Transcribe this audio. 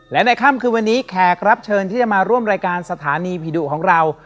และในค่ำคืนวันนี้แขกรับเชิญที่จะมาร่วมรายการสถานีผีดุของเรา